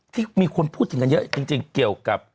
ที่มีคนพูดถึงกันเยอะจริงเกี่ยวกับ